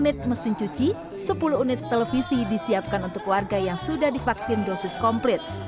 delapan unit mesin cuci sepuluh unit televisi disiapkan untuk warga yang sudah divaksin dosis komplit